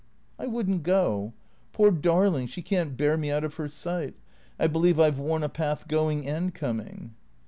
" I would n't go. Poor darling, she can't bear me out of her sight. I believe I 've worn a path going and coming."